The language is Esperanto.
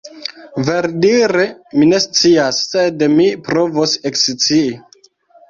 Verdire, mi ne scias, sed mi provos ekscii.